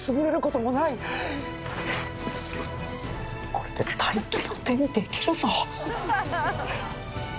これで大金を手にできるぞ！